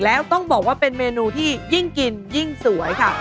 แล้วต้องบอกว่าเป็นเมนูที่ยิ่งกินยิ่งสวยค่ะ